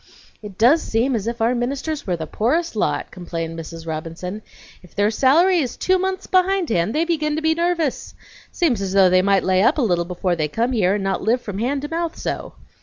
"It does seem as if our ministers were the poorest lot!" complained Mrs. Robinson. "If their salary is two months behindhand they begin to be nervous! Seems as though they might lay up a little before they come here, and not live from hand to mouth so!